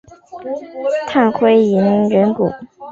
炭谷银仁朗。